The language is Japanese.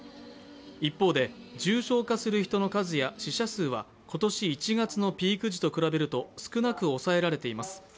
一方で、重症化する人の数や死者数は今年１月のピーク時と比べると、少なく抑えられています。